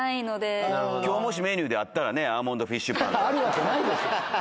きょう、もしメニューであったらね、アーモンドフィッシュパあるわけないで。